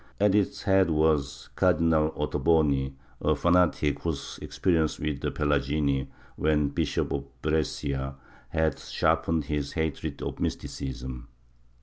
At its head w^as Cardinal Ottoboni, a fanatic whose experience with the Pelagini, when Bishop of Brescia, had sharpened his hatred of mysticism.